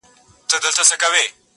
o غوړي لا غوړ.